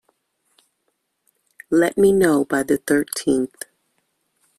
Let me know by the thirteenth.